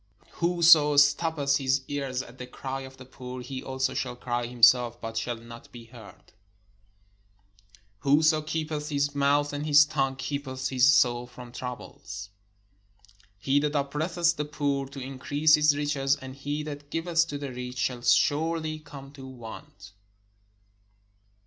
Whoso stoppeth his ears at the cry of the poor, he also shall cry himself, but shall not be heard. Whoso keepeth his mouth and his tongue keepeth his soul from troubles. He that oppresseth the poor to increase his riches, and he that giveth to the rich, shall surely come to want.